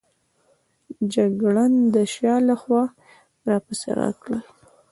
جګړن د شا له خوا را پسې ږغ کړل.